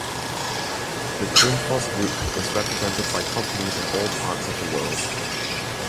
The Grundfos Group is represented by companies in all parts of the world.